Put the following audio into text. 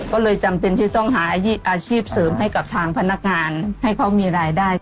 ก็เลยจำเป็นที่ต้องหาอาชีพเสริมให้กับทางพนักงานให้เขามีรายได้